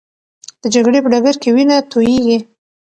د جګړې په ډګر کې وینه تویېږي.